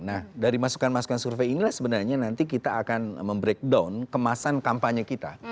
nah dari masukan masukan survei inilah sebenarnya nanti kita akan mem breakdown kemasan kampanye kita